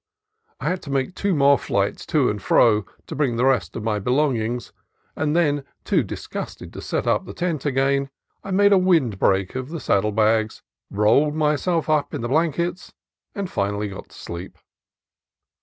I had to make two more flights to and fro to bring over the rest of my belongings, and then, too disgusted to set up the tent again, I made a wind break of the saddle bags, rolled myself up in the blankets, and finally got to sleep.